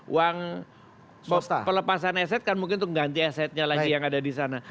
uang pelepasan eset kan mungkin untuk mengganti essetnya lagi yang ada di sana